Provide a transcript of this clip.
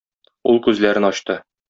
Ул күзләрен ачты.